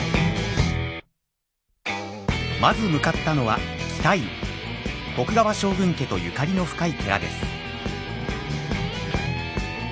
まず向かったのは徳川将軍家とゆかりの深い寺です。